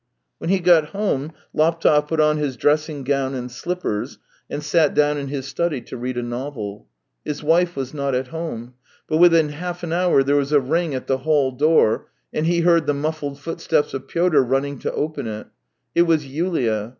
When he got home Laptev put on his dressing gown and slippers, and sat down in his study to read a novel. His wife was not at home. But within half an hour there was a ring at the hall door, and he heard the muffled footsteps of Pyotr running to open it. It was Yulia.